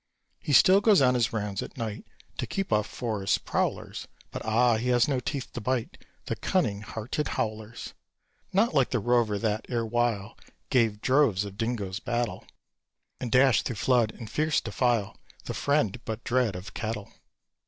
He still goes on his rounds at night To keep off forest prowlers; But, ah! he has no teeth to bite The cunning hearted howlers. Not like the Rover that, erewhile, Gave droves of dingoes battle, And dashed through flood and fierce defile The friend, but dread, of cattle.